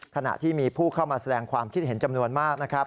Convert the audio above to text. ขณะที่มีผู้เข้ามาแสดงความคิดเห็นจำนวนมากนะครับ